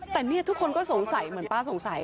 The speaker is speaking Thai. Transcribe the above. แต่เนี่ยทุกคนก็สงสัยเหมือนป้าสงสัย